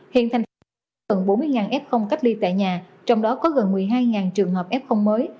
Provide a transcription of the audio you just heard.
hiện thành phố có gần bốn mươi f ly tại nhà trong đó có gần một mươi hai trường hợp f mới